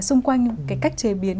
xung quanh cái cách chế biến